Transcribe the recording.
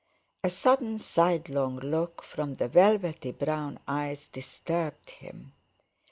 A sudden sidelong look from the velvety brown eyes disturbed him.